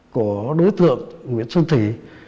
của đối tượng nguyễn xuân thủy